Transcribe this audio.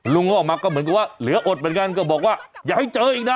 ลุงก็ออกมาก็เหมือนกับว่าเหลืออดเหมือนกันก็บอกว่าอย่าให้เจออีกนะ